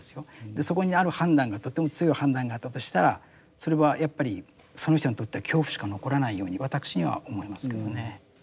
そこにある判断がとても強い判断があったとしたらそれはやっぱりその人にとっては恐怖しか残らないように私には思えますけどね。